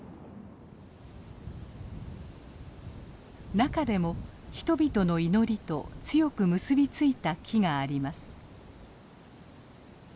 中でも人々の祈りと強く結び付いた木があります。